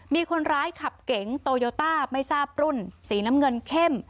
มีคนร้ายขับเก๋งโตโยต้าไม่ทราบรุ่นสีน้ำเงินเข้ม